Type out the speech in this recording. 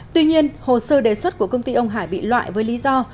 tuy nhiên hồ sơ đề xuất của công ty ông hải bị loại với lý do